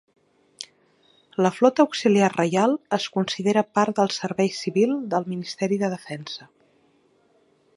La Flota Auxiliar Reial es considera part del servei civil del Ministeri de Defensa.